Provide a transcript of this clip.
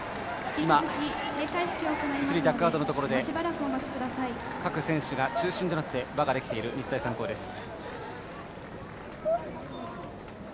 一塁ダグアウトのところで各選手が中心となって輪ができている日大三高です。